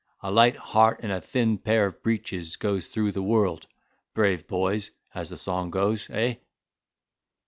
A light heart and a thin pair of breeches goes through the world, brave boys, as the song goes—eh!"